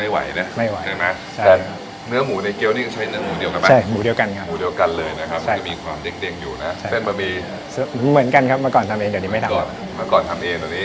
ไม่ไหวน่ะไม่ไหวใช่ไหมใช่เนื้อหมูในเกี๊ยวนี้ก็ใช้เนื้อหมูเดียวกันไหม